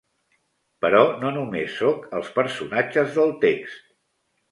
Però no només sóc els personatges del text.